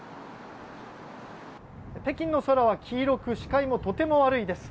北京の空は黄色く視界もとても悪いです。